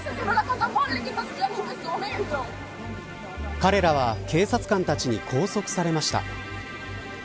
彼らは警察官たちに拘束されました。